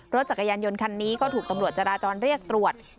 รถจักรยานยนต์คันนี้ก็ถูกตำรวจจราจรเรียกตรวจ